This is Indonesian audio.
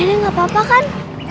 nek nenek gak apa apa kan